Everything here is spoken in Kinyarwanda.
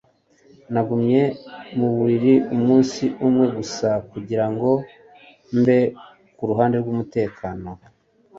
Nagumye mu buriri umunsi umwe gusa kugira ngo mbe ku ruhande rwumutekano